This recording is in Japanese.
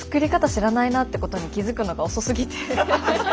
知らないなってことに気付くのが遅すぎて。